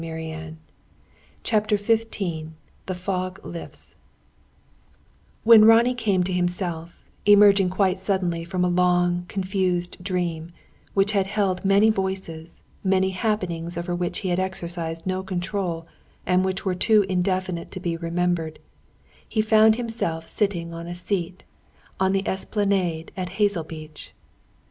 Part IV CHAPTER XV "THE FOG LIFTS" When Ronnie came to himself, emerging quite suddenly from a long, confused dream, which had held many voices, many happenings over which he had exercised no control and which were too indefinite to be remembered, he found himself sitting on a seat, on the esplanade at Hazelbeach.